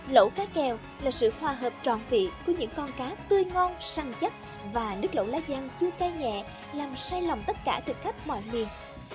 lẩu cá kèo là sự hòa hợp tròn vị của những con cá tươi ngon săn chắc và nước lẩu lá giang chua cay nhẹ làm say lòng tất cả thực khách mọi miền